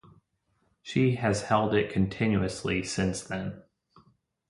She has held it continuously since then.